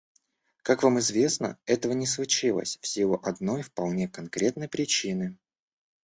Как вам известно, этого не случилось в силу одной вполне конкретной причины.